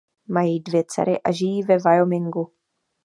Mají dvě dcery a žijí ve Wyomingu.